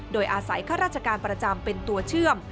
โดยอาศัยข้าราชการประจำเป็นตัวเชื่อม